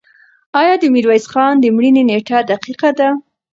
آیا د میرویس خان د مړینې نېټه دقیقه ده؟